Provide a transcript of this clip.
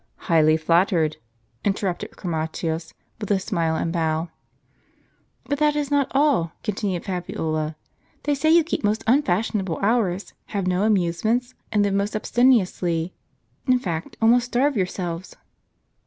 " Highly flattered !" interrupted Chromatins, with a smile and bow. " But that is not all," continued Fabiola. " They say you keep most unfashionable hours, have no amusements, and live most abstemiously ; in fact, almost starve yourselves."